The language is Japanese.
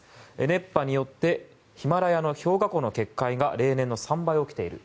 熱波によってヒマラヤの氷河湖の決壊が例年の３倍起きている。